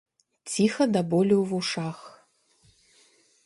Ціха да болю ў вушах.